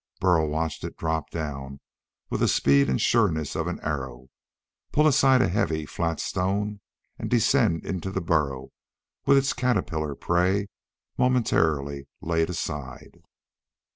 Burl watched it drop down with the speed and sureness of an arrow, pull aside a heavy, flat stone, and descend into the burrow with its caterpillar prey momentarily laid aside.